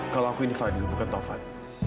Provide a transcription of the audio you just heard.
kalau aku ini fadil bukan taufan